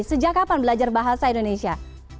sejak kapan belajar bahasa indonesia